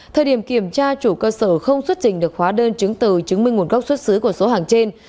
thời điểm kiểm tra chủ cơ sở không xuất trình được khóa đơn chứng từ chứng minh nguồn gốc xuất xứ của số hàng trên